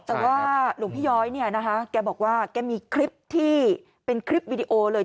แต่ว่าหลวงพี่ย้อยเนี่ยนะคะแกบอกว่าแกมีคลิปที่เป็นคลิปวิดีโอเลย